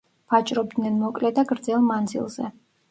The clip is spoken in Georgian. ვაჭრობდნენ მოკლე და გრძელ მანძილზე.